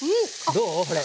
どうほれ。